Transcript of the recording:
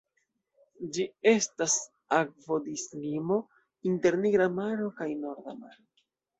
Ĝi estas akvodislimo inter Nigra Maro kaj Norda Maro.